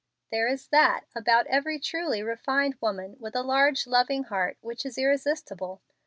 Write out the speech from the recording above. There is that about every truly refined woman with a large loving heart which is irresistible.